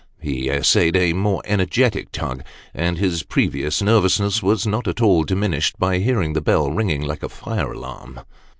He essayed a more energetic tug, and his previous nervousness was not at all diminished by hearing the bell ringing like a fire alarum.